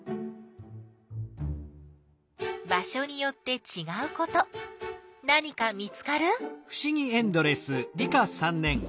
場所によってちがうこと何か見つかる？